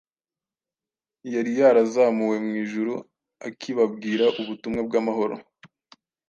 yari yarazamuwe mu ijuru akibabwira ubutumwa bw’amahoro.